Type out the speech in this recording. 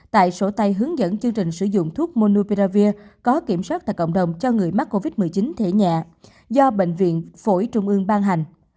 tại sổ tay hướng dẫn chương trình sử dụng thuốc monuperavir có kiểm soát tại cộng đồng cho người mắc covid một mươi chín thể nhẹ do bệnh viện phổi trung ương ban hành